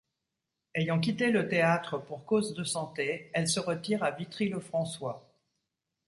Ayant quitté le théâtre pour cause de santé, elle se retire à Vitry-le-François.